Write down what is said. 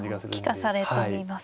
利かされといいますか。